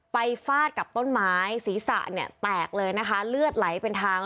ฟาดกับต้นไม้ศีรษะเนี่ยแตกเลยนะคะเลือดไหลเป็นทาง